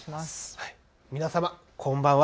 皆様、こんばんは。